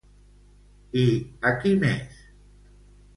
I a qui més?